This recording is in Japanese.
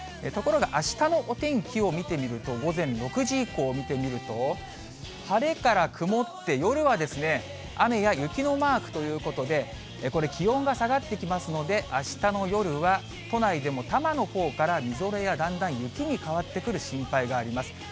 ところがあしたのお天気を見てみると、午前６時以降見てみると、晴れから曇って、夜は雨や雪のマークということで、これ気温が下がってきますので、あしたの夜は、都内でも多摩のほうからみぞれやだんだん雪に変わってくる心配があります。